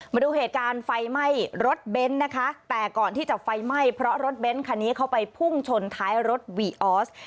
มาดูเหตุการณ์ไฟไหม้รถเบนท์นะคะแต่ก่อนที่จะไฟไหม้เพราะรถเบ้นคันนี้เข้าไปพุ่งชนท้ายรถวีออส